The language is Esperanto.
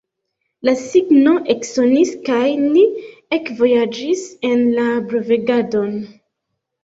La signo eksonis, kaj ni ekvojaĝis en la blovegadon.